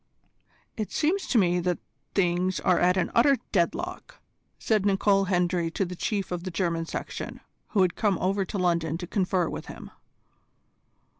"It seems to me that things are at an utter deadlock," said Nicol Hendry to the Chief of the German section, who had come over to London to confer with him.